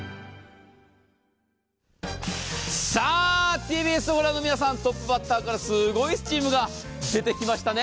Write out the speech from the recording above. ＴＢＳを御覧の皆さん、トップバッターからすごいスチームが出てきましたね。